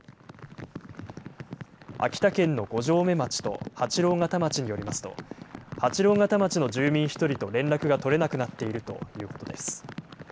秋田県の五城目町と八郎潟町によりますと八郎潟町の住民１人と連絡が取れなくなっているということです。